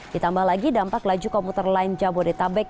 ditambah lagi dampak laju komuter lain jabodetabek